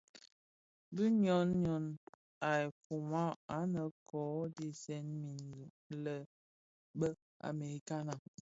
Bi ñyon yon a fyoma anèn Kō dhesèè min lè be amerikana,